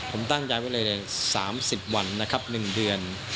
ผมตั้งใจไว้เลย๓๐วันนะครับ๑เดือน